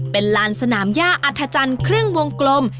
เป็นลานสนามย่าอัธจันทร์ครึ่งวงกลม